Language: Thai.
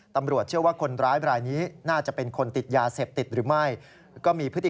ตำรวจเชื่อว่าคนร้ายบรายนี้น่าจะเป็นคนติดยาเสพติดหรือไม่ก็มีพฤติ